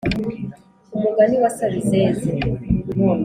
umugani wa sabizeze